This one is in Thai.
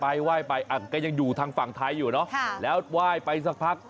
ไหว้ไปก็ยังอยู่ทางฝั่งท้ายแล้วไหว้ไปสักพัก